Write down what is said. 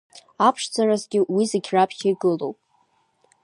Аԥшӡаразгьы, уи зегь раԥхьа игылоуп.